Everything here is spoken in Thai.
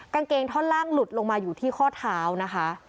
กางเกงท่อนล่างหลุดลงมาอยู่ที่ข้อเท้านะคะ